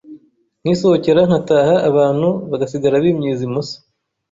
nkisohokera nkataha, abantu bagasigara bimyiza imoso